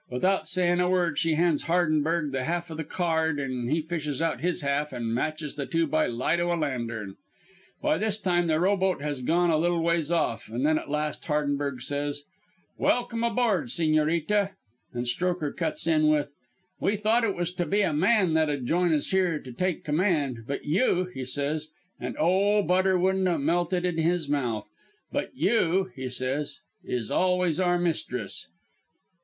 Without sayin' a word she hands Hardenberg the half o' the card and he fishes out his half an' matches the two by the light o' a lantern. "By this time the rowboat has gone a little ways off, an' then at last Hardenberg says: "'Welkum aboard, Sigñorita.' "And Strokher cuts in with "'We thought it was to be a man that 'ud join us here to take command, but you,' he says an' oh, butter wouldn't a melted in his mouth 'But you he says, 'is always our mistress.